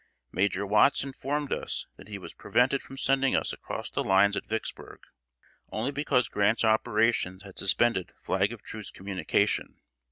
Major Watts informed us that he was prevented from sending us across the lines at Vicksburg, only because Grant's operations had suspended flag of truce communication.